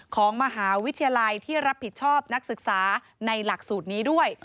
ของมหาวิทยาลัยที่รับผิดชอบนักศึกษาในหลักสูตรนี้ด้วย